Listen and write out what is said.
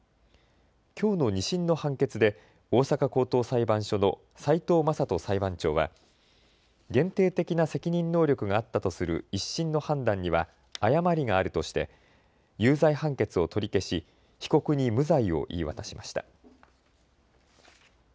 きょうの２審の判決で大阪高等裁判所の齋藤正人裁判長は限定的な責任能力があったとする１審の判断には誤りがあるとして有罪判決を取り消し被告に無罪を言い渡しました。